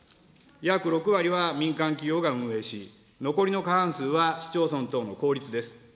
約６割は民間企業が運営し、残りの過半数は市町村等の公立です。